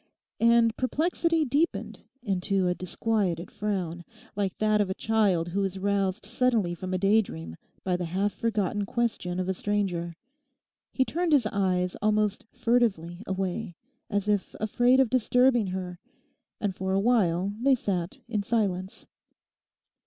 And perplexity deepened into a disquieted frown—like that of a child who is roused suddenly from a daydream by the half forgotten question of a stranger. He turned his eyes almost furtively away as if afraid of disturbing her; and for awhile they sat in silence...